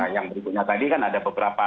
yang berikutnya tadi kan ada beberapa